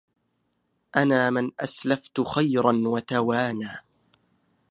أنا من أسلفت خيرا وتوانى